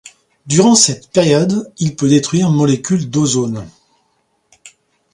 Durant cette période, il peut détruire molécules d'ozone.